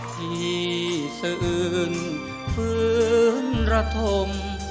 ที่สื่อื้นฝื้นระทม